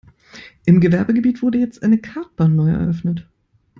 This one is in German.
Im Gewerbegebiet wurde jetzt eine Kartbahn neu eröffnet.